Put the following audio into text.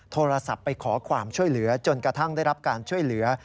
โทรศัพท์ไปขอความช่วยเหลือจนกระทั่งได้รับการช่วยเหลือ